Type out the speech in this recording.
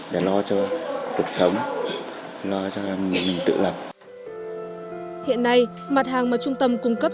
để lo cho cuộc sống lo cho mình tự lập hiện nay mặt hàng mà trung tâm cung cấp